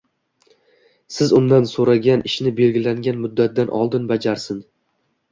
siz undan so‘ragan ishni belgilangan muddatdan oldin bajarsin.